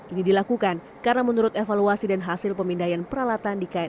ini dilakukan karena menurut evaluasi dan hasil pemindaian peralatan di kri rigel